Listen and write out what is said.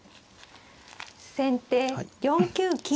先手４九金。